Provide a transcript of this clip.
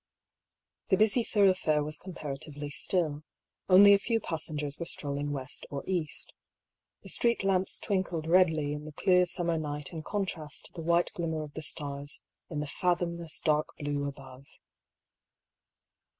The busy thoroughfare was comparatively still : only a few passengers were strolling west or east. The street lamps twinkled redly in the clear summer night in con trast to the white glimmer of the stars in the fathom less dark blue above.